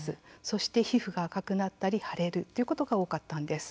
そして皮膚が赤くなったり腫れるということが多かったんです。